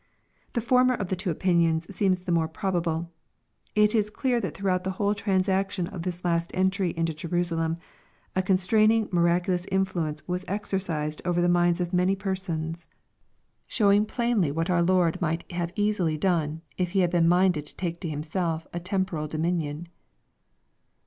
The former of tlie two opinions seems the more probable It is clear that throughout the whole transaction of this last entry into Jerusalem, a constraining miraculous influence was exercised over the minds of many persons, showing plainly ivhat 812 EXPOSITOR r THOUGHTS. GUI Lord might have easily done, if He had been minded to taka to Himself a temporal dominion.